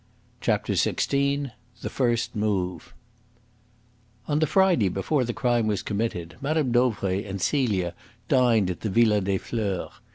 CHAPTER XVI THE FIRST MOVE On the Friday before the crime was committed Mme. Dauvray and Celia dined at the Villa des Fleurs.